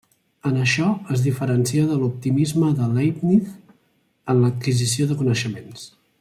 En això es diferencia de l'optimisme de Leibniz en l'adquisició de coneixements.